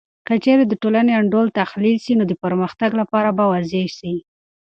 که چیرې د ټولنې انډول تحلیل سي، نو د پرمختګ لاره به واضح سي.